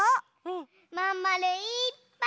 まんまるいっぱい！